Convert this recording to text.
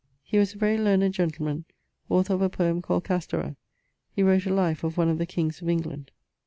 He was a very learned gentleman, author of a poem called Castara. He wrote a live of one of the kings of England.